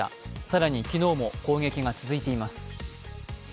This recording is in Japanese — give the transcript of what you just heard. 更に昨日も攻撃が続いています。